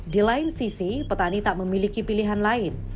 di lain sisi petani tak memiliki pilihan lain